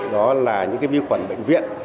đó là những cái nhiễm khuẩn bệnh viện